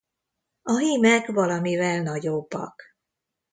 A hímek valamivel nagyobbak.